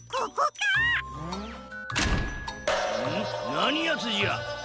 なにやつじゃ！